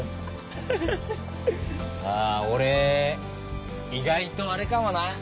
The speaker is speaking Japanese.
あ俺意外とあれかもな。